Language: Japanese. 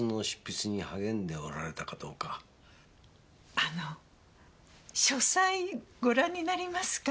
あの書斎ご覧になりますか？